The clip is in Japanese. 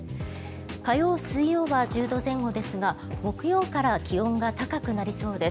火曜、水曜は１０度前後ですが木曜から気温が高くなりそうです。